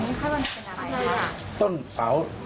เมื่อยครับเมื่อยครับ